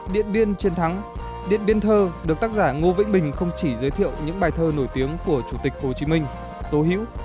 điện biên chiến thắng điện biên thơ được tác giả ngô vĩnh bình không chỉ giới thiệu những bài thơ nổi tiếng của chủ tịch hồ chí minh tố hữu